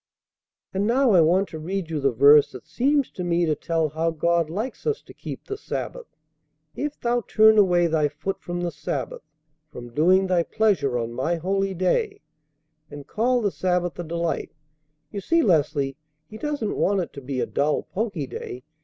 "And now I want to read you the verse that seems to me to tell how God likes us to keep the Sabbath. 'If thou turn away thy foot from the sabbath, from doing thy pleasure on my holy day; and call the sabbath a delight' you see, Leslie, He doesn't want it to be a dull, poky day.